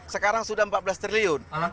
sekarang sudah empat belas triliun